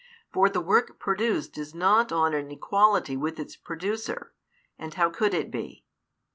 For the work produced is not on an equality with its producer; and how could it be'?